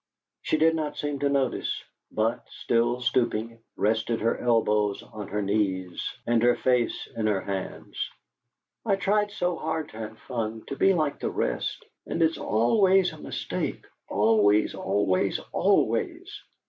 She did not seem to notice, but, still stooping, rested her elbows on her knees and her face in her hands. "I try so hard to have fun, to be like the rest, and it's always a mistake, always, always, always!"